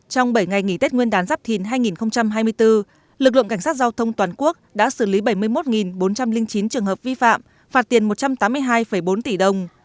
trong bảy ngày nghỉ tết nguyên đán giáp thìn hai nghìn hai mươi bốn lực lượng cảnh sát giao thông toàn quốc đã xử lý bảy mươi một bốn trăm linh chín trường hợp vi phạm phạt tiền một trăm tám mươi hai bốn tỷ đồng